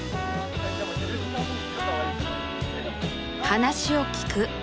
「話を聞く」